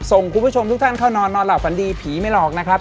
ส่งคุณผู้ชมทุกท่านเข้านอนนอนหลับฝันดีผีไม่หลอกนะครับ